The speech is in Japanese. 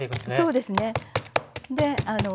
そうですね。